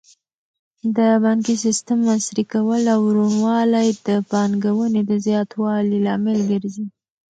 د بانکي سیسټم عصري کول او روڼوالی د پانګونې د زیاتوالي لامل ګرځي.